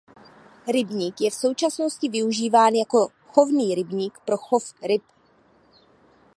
Rybník je v současnosti využíván jako chovný rybník pro chov ryb.